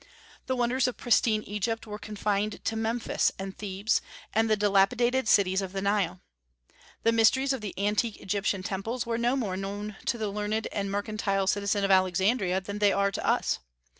The wonders of pristine Egypt were confined to Memphis and Thebes and the dilapidated cities of the Nile. The mysteries of the antique Egyptian temples were no more known to the learned and mercantile citizen of Alexandria than they are to us.